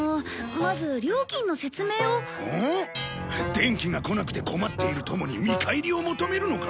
電気が来なくて困っている友に見返りを求めるのか？